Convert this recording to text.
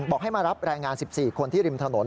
ให้มารับแรงงาน๑๔คนที่ริมถนน